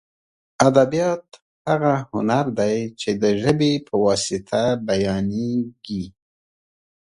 ادبیات هغه هنر دی چې د ژبې په واسطه بیانېږي.